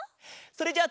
それじゃあ。